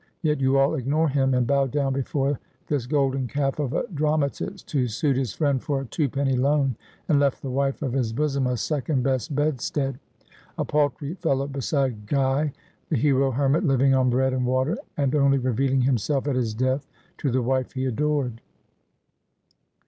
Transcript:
Yet you all ignore him, and bow down before this golden calf of a dramatist, who sued his friend for a twopenny loan, and left the wife of his bosom a second best bedstead — a paltry fellow beside Guy, the hero hermit, living on bread and water, and only revealing himself at his death to the wife he adored.'